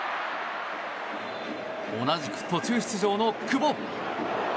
同じく途中出場の久保。